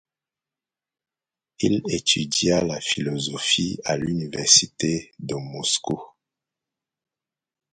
Il étudia la philosophie à l'université de Moscou.